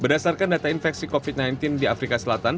berdasarkan data infeksi covid sembilan belas di afrika selatan